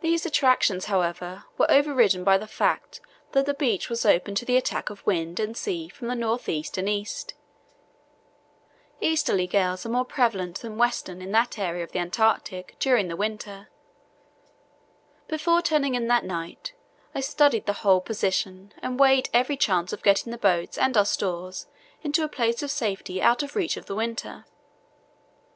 These attractions, however, were overridden by the fact that the beach was open to the attack of wind and sea from the north east and east. Easterly gales are more prevalent than western in that area of the Antarctic during the winter. Before turning in that night I studied the whole position and weighed every chance of getting the boats and our stores into a place of safety out of reach of the water.